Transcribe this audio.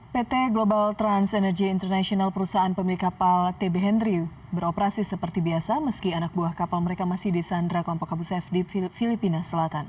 pt global trans energy international perusahaan pemilik kapal tb henry beroperasi seperti biasa meski anak buah kapal mereka masih di sandra kelompok abu sayyaf di filipina selatan